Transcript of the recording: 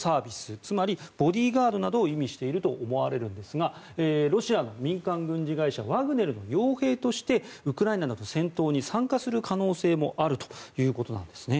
つまりボディーガードなどを意味していると思われるのですがロシアの民間軍事会社ワグネルの傭兵としてウクライナでの戦闘に参加する可能性もあるということなんですね。